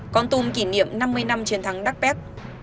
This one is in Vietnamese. con tôm kỷ niệm năm mươi năm chiến thắng đắc bét